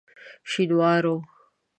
شینوارو.